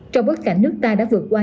trong bất cảnh nước ta đã vượt qua